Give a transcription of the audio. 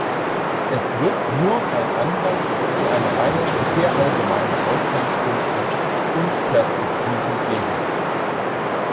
Es wird nur ein Ansatz zu einer Reihe sehr allgemeiner Ausgangspunkte und Perspektiven gegeben.